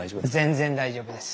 全然大丈夫です。